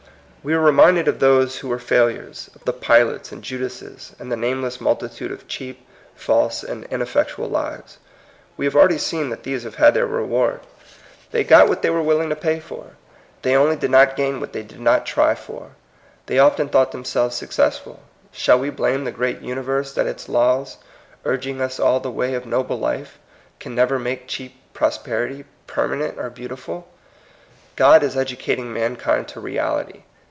We are reminded of those who are fail ures, of the Pilates and Judases, and the nameless multitude of cheap, false, and ineffectual lives. We have already seen that these had their reward. They got 104 THE COMING PEOPLE. what they were willing to pay for. They only did not gain what they did not try for. They often thought themselves suc cessful. Shall we blame the great uni verse that its laws, urging us all the way of noble life, can never make cheap pros perity permanent or beautiful? God is educating mankind to reality.